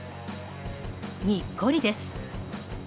にっこりです。